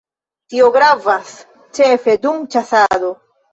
Tiu gravas ĉefe dum ĉasado.